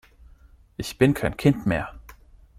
Ich bin kein Kind mehr!